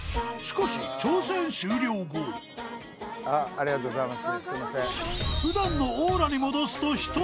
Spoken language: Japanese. ありがとうございます。